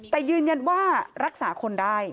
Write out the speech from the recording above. แต่ยืนยันว่ารักษาคนได้